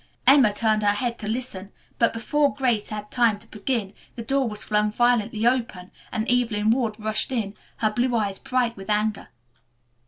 Emma turned her head to listen, but before Grace had time to begin the door was flung violently open and Evelyn Ward rushed in, her blue eyes bright with anger.